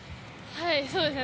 はい、そうですね。